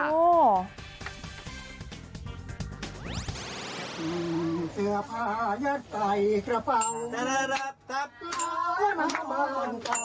ก็ไม่ได้หลับงาน